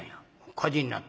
火事になった？